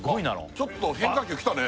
ちょっと変化球来たね